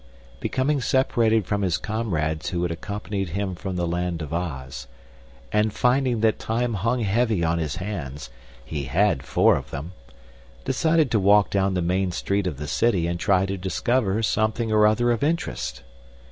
becoming separated from his comrades who had accompanied him from the Land of Oz, and finding that time hung heavy on his hands (he had four of them), decided to walk down the Main street of the City and try to discover something or other of interest.